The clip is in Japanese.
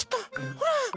ほら！